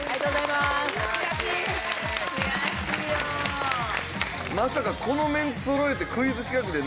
まさかこのメンツそろえてクイズ企画で